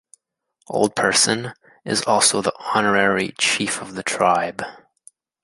Old Person is also the honorary chief of the tribe.